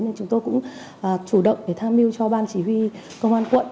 nên chúng tôi cũng chủ động để tham mưu cho ban chỉ huy công an quận